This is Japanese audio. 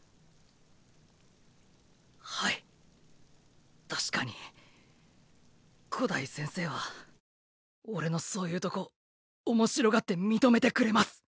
はい確かに五代先生は俺のそういうとこ面白がって認めてくれます。